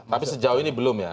tapi sejauh ini belum ya